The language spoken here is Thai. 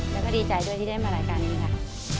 แล้วก็ดีใจด้วยที่ได้มารายการนี้ค่ะ